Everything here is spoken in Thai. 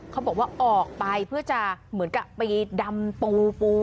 เขาบอกว่าออกไปเพื่อจะเหมือนกับไปดำปูปู